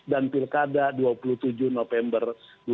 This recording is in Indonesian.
dan pilkada dua puluh tujuh november dua ribu dua puluh empat